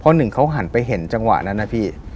หนึ่งเขาหันไปเห็นจังหวะนั้นนะพี่